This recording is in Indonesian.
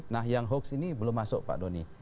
nah yang hoax ini belum masuk pak doni